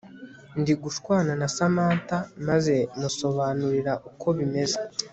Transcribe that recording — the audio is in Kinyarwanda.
ndi gushwana na Samantha maze musobanurira uko bimeze